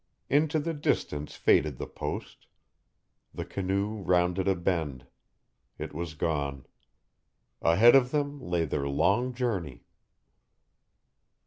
Into the distance faded the Post. The canoe rounded a bend. It was gone. Ahead of them lay their long journey.